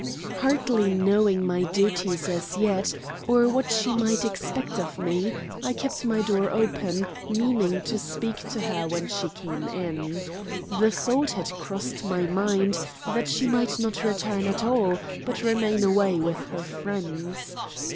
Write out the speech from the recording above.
Hardly knowing my duties as yet, or what she might expect of me, I kept my door open, meaning to speak to her when she came in. The thought had crossed my mind that she might not return at all, but remain away with her friends.